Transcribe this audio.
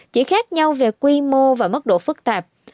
chỉ khác nhau về quy mô và mức độ phức tạp